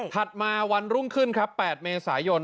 มาวันรุ่งขึ้นครับ๘เมษายน